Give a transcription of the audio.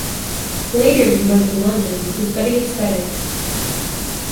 Later he went to London to study aesthetics.